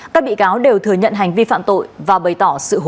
các bị cáo đều thừa nhận hành vi phạm tội và bày tỏ sự hối hận